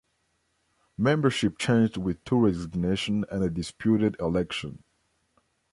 Membership changed with two resignations and a disputed election.